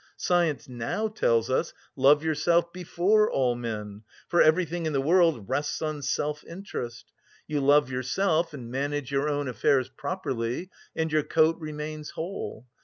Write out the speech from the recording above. Science now tells us, love yourself before all men, for everything in the world rests on self interest. You love yourself and manage your own affairs properly and your coat remains whole.